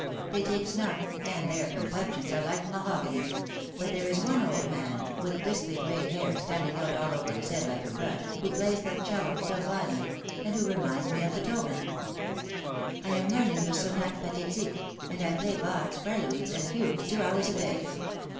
They take snuff, and their complexions are like mahogany ; but there is one old man, with bristly gray hair standing out all over his head like a brush, who plays the 'cello divinely, and who reminds me of Beethoven, I am learn Litera Scripto Manet. 331 ing the ' Senate Pathetique,' and I play Bach's preludes and fugues two hours a day.